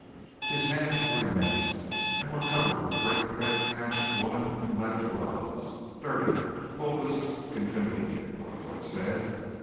His hands were immense and were covered with great red patched woolen and leather gloves dirty, bulbous, inconvenient, one would have said.